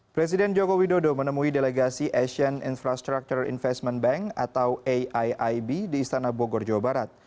presiden joko widodo menemui delegasi asian infrastructure investment bank atau aiib di istana bogor jawa barat